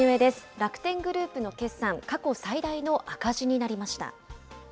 楽天グループの決算、過去最大の赤字になりました。